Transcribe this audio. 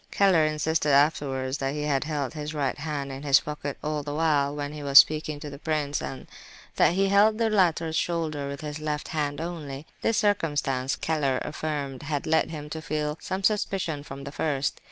Keller insisted afterwards that he had held his right hand in his pocket all the while, when he was speaking to the prince, and that he had held the latter's shoulder with his left hand only. This circumstance, Keller affirmed, had led him to feel some suspicion from the first.